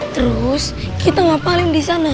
terus kita ngapalin disana